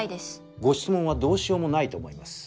ご質問はどうしようもないと思います。